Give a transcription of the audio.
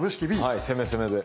はい攻め攻めで！